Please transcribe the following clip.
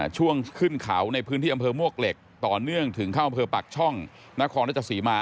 ช่วงขึ้นเขาในพื้นที่อำเภอมวกเหล็กต่อเนื่องถึงเข้าอำเภอปากช่องนครรัชศรีมา